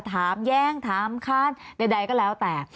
ถามแย้งถามคาดใดก็แล้วแต่